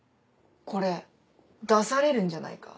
これ出されるんじゃないか？